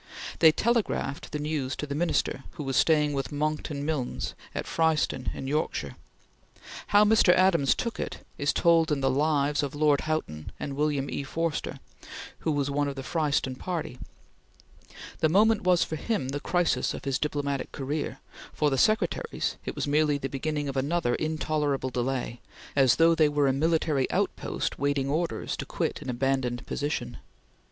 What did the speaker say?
They telegraphed the news to the Minister, who was staying with Monckton Milnes at Fryston in Yorkshire. How Mr. Adams took it, is told in the "Lives" of Lord Houghton and William E. Forster who was one of the Fryston party. The moment was for him the crisis of his diplomatic career; for the secretaries it was merely the beginning of another intolerable delay, as though they were a military outpost waiting orders to quit an abandoned position.